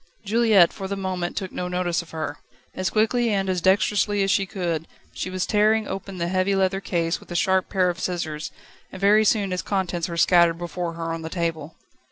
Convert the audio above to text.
Juliette, for the moment, took no notice of her. As quickly and as dexterously as she could, she was tearing open the heavy leather case with a sharp pair of scissors, and very soon its contents were scattered before her on the table.